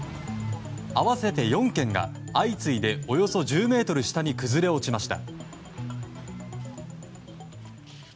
合わせて４軒が相次いでおよそ１０ｍ下に崩れ落ちました。